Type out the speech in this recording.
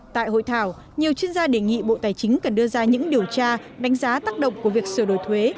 tại hội thảo nhiều chuyên gia đề nghị bộ tài chính cần đưa ra những điều tra đánh giá tác động của việc sửa đổi thuế